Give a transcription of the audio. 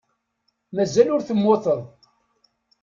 Mazal ur temmuteḍ.